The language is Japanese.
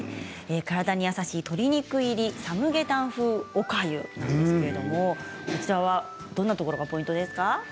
体に優しい鶏肉入りサムゲタン風おかゆなんですけどどんなところがポイントですか。